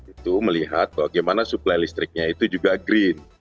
itu melihat bagaimana suplai listriknya itu juga green